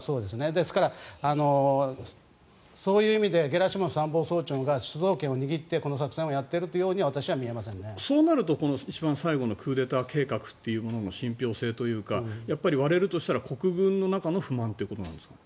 ですから、そういう意味でゲラシモフ参謀総長が主導権を握ってこの作戦をやっているようにはそうなると最後のクーデター計画の信ぴょう性というか割れるとしたら国軍の中の不満ということですか？